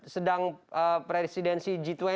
sedang presidensi g dua puluh